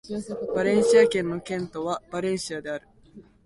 バレンシア県の県都はバレンシアである